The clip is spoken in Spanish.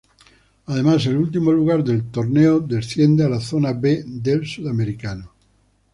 Además, el último lugar del torneo desciende a la Zona B del Sudamericano.